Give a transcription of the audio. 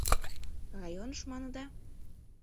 — Районыш маныда?